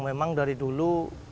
memang dari dulu